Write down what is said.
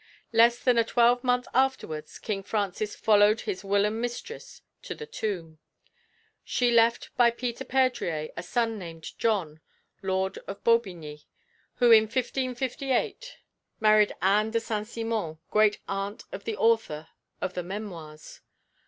Less than a twelvemonth afterwards King Francis followed his whilom mistress to the tomb. She left by Peter Perdrier a son named John, Lord of Baubigny, who in 1558 married Anne de St. Simon, grand aunt of the author of the Memoirs.